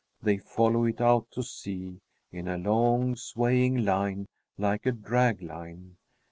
They follow it out to sea, in a long swaying line, like a drag line.